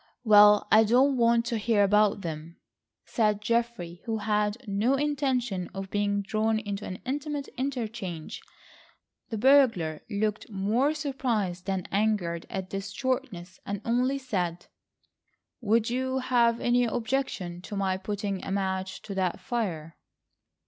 "Well, I don't want to hear about them," said Geoffrey, who had no intention of being drawn into an intimate interchange. The burglar looked more surprised than angered at this shortness, and only said: "Would you have any objection to my putting a match to that fire?"